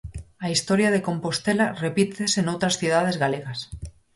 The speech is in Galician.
A historia de Compostela repítese noutras cidades galegas.